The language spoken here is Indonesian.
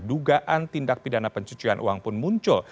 dugaan tindak pidana pencucian uang pun muncul